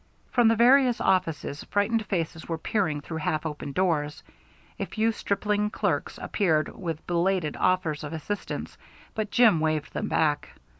From the various offices frightened faces were peering through half open doors. A few stripling clerks appeared with belated offers of assistance, but Jim waved them back.